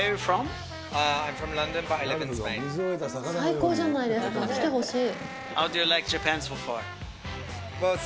最高じゃないですか、来てほしい。